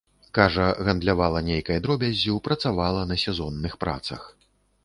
Кажа, гандлявала нейкай дробяззю, працавала на сезонных працах.